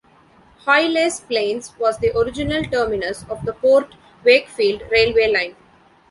Hoyle's Plains was the original terminus of the Port Wakefield railway line.